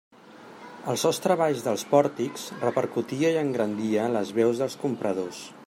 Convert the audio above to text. El sostre baix dels pòrtics repercutia i engrandia les veus dels compradors.